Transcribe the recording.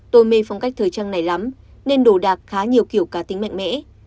tôi mê phong cách thời trang này lắm nên đồ đạc khá nhiều kiểu cá tính mạnh mẽ